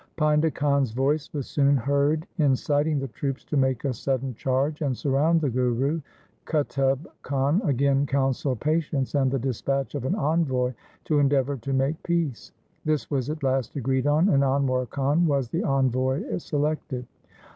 1 Painda Khan's voice was soon heard inciting the troops to make a sudden charge and surround the Guru. Qutub Khan again counselled patience and the dispatch of an envoy to endeavour to make peace. This was at last agreed on, and Anwar Khan was the envoy selected.